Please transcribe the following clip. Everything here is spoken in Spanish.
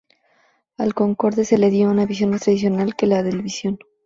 Al Concorde se le dio una imagen más tradicional que la del Visión.